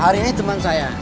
hari ini teman saya